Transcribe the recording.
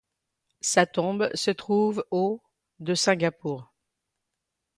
Sa tombe se trouve au de Singapour.